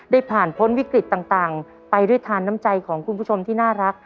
ได้ผ่านพ้นวิกฤตต่างไปด้วยทานน้ำใจของคุณผู้ชมที่น่ารัก